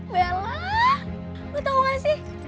bel lo tau gak sih